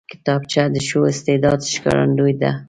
کتابچه د ښو استعداد ښکارندوی ده